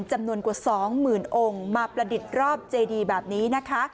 จำนวนกว่า๒หมื่นองค์มาประดิษฐ์รอบเจดีแบบนี้